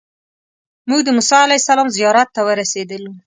موږ د موسی علیه السلام زیارت ته ورسېدلو.